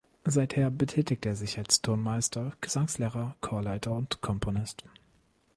Seither betätigt er sich als Tonmeister, Gesangslehrer, Chorleiter und Komponist.